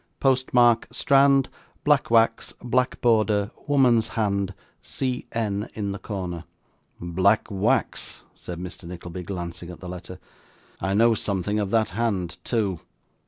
'Post mark, Strand, black wax, black border, woman's hand, C. N. in the corner.' 'Black wax?' said Mr. Nickleby, glancing at the letter. 'I know something of that hand, too.